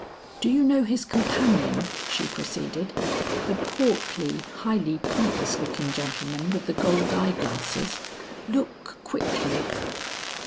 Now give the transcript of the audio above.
"Do you know his companion?" she proceeded; "the portly, highly pompous looking gentleman with the gold eye glasses? Look quickly."